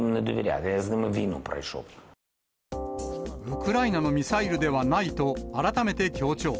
ウクライナのミサイルではないと、改めて強調。